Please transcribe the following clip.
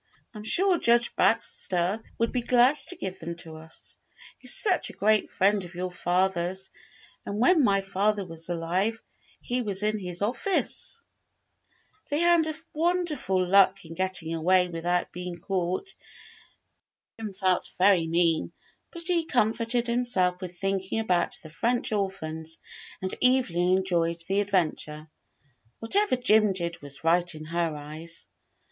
I'm sure Judge Baxter would be glad to give them to us. He's such a great friend of your father's, and when my father was alive he was in his office." They had wonderful luck in getting away without being caught. Jim felt very mean, but he comforted himself with thinking about the French orphans, and Evelyn enjoyed the adventure. Whatever Jim did was right in her eyes.